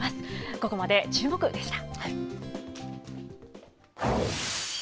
ここまでチューモク！でした。